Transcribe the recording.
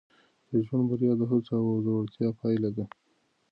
د ژوند بریا د هڅو او زړورتیا پایله ده.